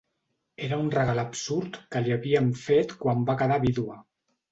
Era un regal absurd que li havien fet quan va quedar vídua.